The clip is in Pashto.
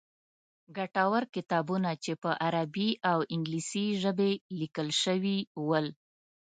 ګټور کتابونه چې په عربي او انګلیسي ژبې لیکل شوي ول.